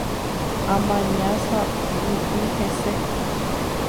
Amaña saguy hese